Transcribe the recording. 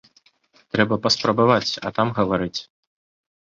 Трэба паспрабаваць, а там гаварыць.